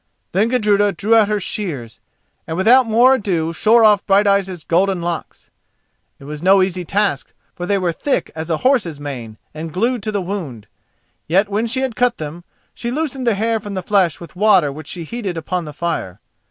Then Gudruda drew out her shears, and without more ado shore off Brighteyes' golden locks. It was no easy task, for they were thick as a horse's mane, and glued to the wound. Yet when she had cut them, she loosened the hair from the flesh with water which she heated upon the fire.